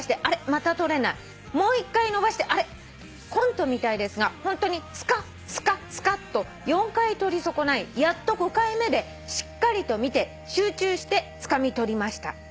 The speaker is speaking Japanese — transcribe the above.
また取れない」「もう一回伸ばしてあれ？」「コントみたいですがホントにスカッスカッスカッと４回取り損ないやっと５回目でしっかりと見て集中してつかみ取りました」